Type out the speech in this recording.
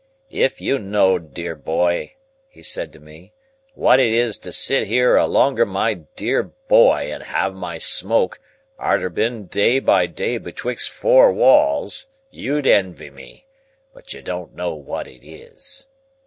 "If you knowed, dear boy," he said to me, "what it is to sit here alonger my dear boy and have my smoke, arter having been day by day betwixt four walls, you'd envy me. But you don't know what it is."